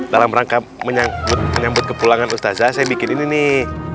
dalam rangka menyambut kepulangan ustazah saya bikin ini nih